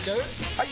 ・はい！